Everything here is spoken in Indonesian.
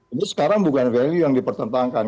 itu sekarang bukan value yang dipertentangkan